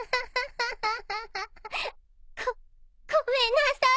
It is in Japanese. ごごめんなさい。